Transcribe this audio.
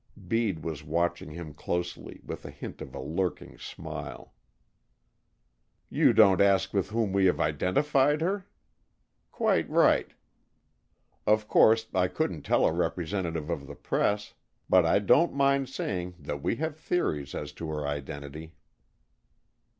Bede was watching him closely, with a hint of a lurking smile. "You don't ask with whom we have identified her? Quite right. Of course I couldn't tell a representative of the press. But I don't mind saying that we have theories as to her identity."